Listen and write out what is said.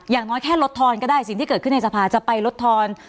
อย่างน้อยแค่ลดทอนก็ได้สิ่งที่เกิดขึ้นในสภาจะไปลดทอน